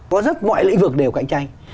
có rất mọi lĩnh vực đều cạnh tranh